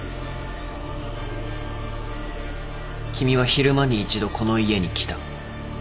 君は昼間に一度この家に来た。